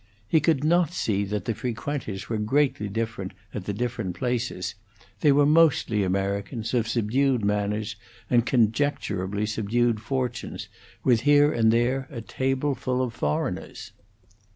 He could not see that the frequenters were greatly different at the different places; they were mostly Americans, of subdued manners and conjecturably subdued fortunes, with here and there a table full of foreigners.